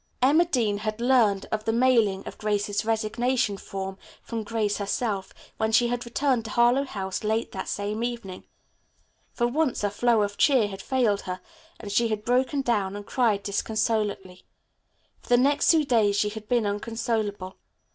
Emma Dean had learned of the mailing of Grace's resignation from Grace herself when she had returned to Harlowe House late that same evening. For once her flow of cheer had failed her, and she had broken down and cried disconsolately. For the next two days she had been unconsolable.